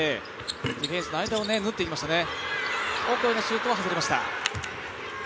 ディフェンスの間をぬっていきましたね。